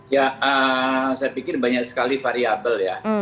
ya saya pikir banyak sekali variable ya